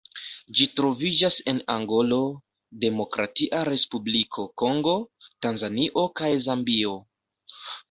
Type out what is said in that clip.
Ĝi troviĝas en Angolo, Demokratia Respubliko Kongo, Tanzanio kaj Zambio.